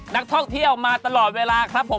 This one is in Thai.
นักท่องเที่ยวมาตลอดเวลาครับผม